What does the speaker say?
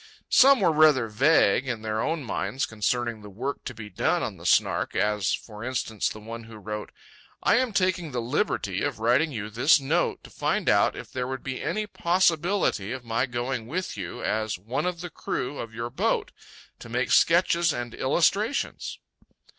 Some were rather vague in their own minds concerning the work to be done on the Snark; as, for instance, the one who wrote: "I am taking the liberty of writing you this note to find out if there would be any possibility of my going with you as one of the crew of your boat to make sketches and illustrations."